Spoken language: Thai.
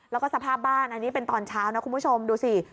แล้วก็สภาพบ้านอันนี้เป็นตอนเช้านะคุณผู้ชมดูสิ